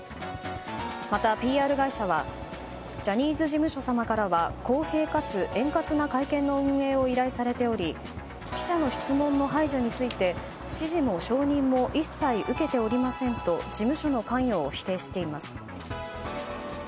また、ＰＲ会社はジャニーズ事務所様からは公平かつ円滑な会見の運営を依頼されており記者の質問の排除について指示も承認も一切受けておりませんと事務所の関与を否定しています。